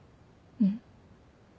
うん。